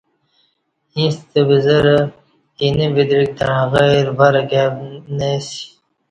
ییݩستہ بزرہ اینہ ودعیک تݩع غیر ورں کائی نہ اسی